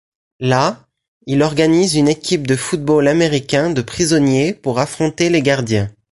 Là, il organise une équipe de football américain de prisonniers pour affronter les gardiens.